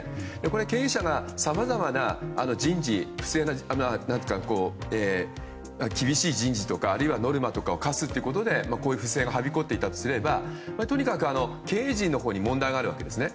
経営者がさまざまな人事厳しい人事とかあるいはノルマとかを課すということでこういう不正がはびこっていたとすればとにかく経営陣のほうに問題があるわけですね。